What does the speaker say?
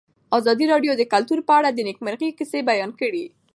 ازادي راډیو د کلتور په اړه د نېکمرغۍ کیسې بیان کړې.